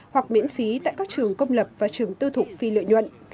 hoặc miễn phí tại các trường công lập và trường tư thụ phi lợi nhuận